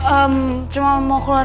oh sudah abis akun val